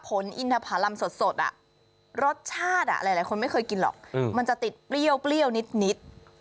อินทภารำสดรสชาติหลายคนไม่เคยกินหรอกมันจะติดเปรี้ยวนิด